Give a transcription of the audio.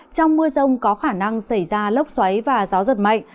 trong mưa rông có khả năng xảy ra lốc xoáy và gió giật mạnh